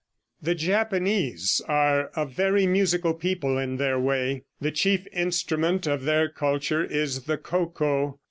] The Japanese are a very musical people in their way. The chief instrument of their culture is the ko ko.